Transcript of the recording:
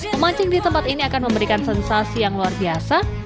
memancing di tempat ini akan memberikan sensasi yang luar biasa